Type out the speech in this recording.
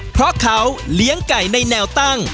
เพราะเขาเลี้ยงไก่ในแนวตั้ง